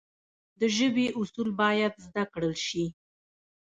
د ژبي اصول باید زده کړل سي.